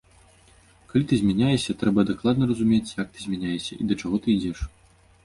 Калі ты змяняешся, трэба дакладна разумець, як ты змяняешся і да чаго ты ідзеш.